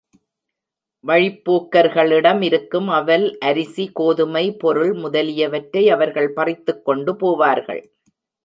வழிப்போக்கர்களிடம் இருக்கும் அவல், அரிசி, கோதுமை, பொருள் முதலியவற்றை அவர்கள் பறித்துக் கொண்டு போவார்கள்.